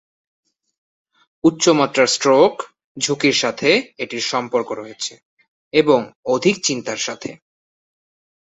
উচ্চমাত্রার স্ট্রোক ঝুঁকির সাথে এটির সম্পর্ক রয়েছে এবং অধিক চিন্তার সাথে।